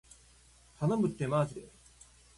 頼むってーまじで